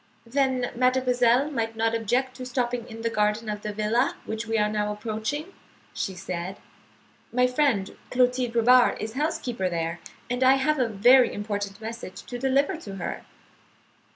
"Then mademoiselle might not object to stopping in the garden of the villa which we are now approaching," she said. "My friend, Clotilde Robard, is housekeeper there, and I have a very important message to deliver to her."